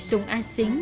sùng a xính